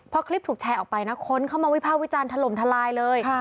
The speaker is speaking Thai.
พอคลิปถูกแชร์ออกไปนะคนเข้ามาวิภาควิจารณ์ถล่มทลายเลย